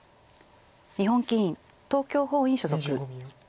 日本棋院東京本院所属。